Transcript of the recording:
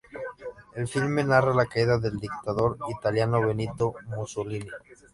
El filme narra la caída del dictador italiano Benito Mussolini.